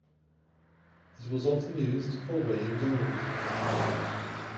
It was often used for weighing gold.